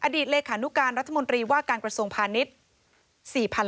เลขานุการรัฐมนตรีว่าการกระทรวงพาณิชย์